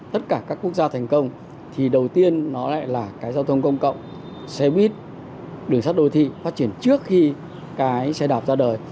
tất cả các quốc gia thành công thì đầu tiên nó lại là cái giao thông công cộng xe buýt đường sắt đô thị phát triển trước khi cái xe đạp ra đời